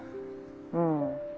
☎うん。